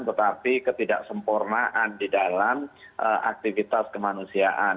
tetapi ketidaksempurnaan di dalam aktivitas kemanusiaan